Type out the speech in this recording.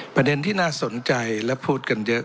ประเด็นที่น่าสนใจและพูดกันเยอะ